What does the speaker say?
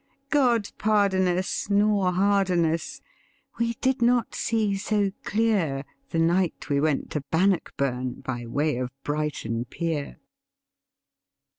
God pardon us, nor harden us; we did not see so clear The night we went to Bannockburn by way of Brighton Pier.